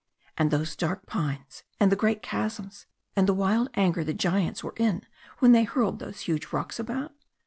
And those dark pines and the great chasms, and the wild anger the giants were in when they hurled these huge rocks about?